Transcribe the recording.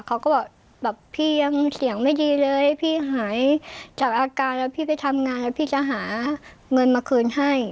เขาก็บอกแบบพี่ยังเสียงไม่ดีเลยพี่หายจากอาการแล้วพี่ไปทำงานแล้วพี่จะหาเงินมาคืนให้